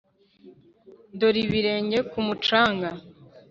dore ibirenge ku mucanga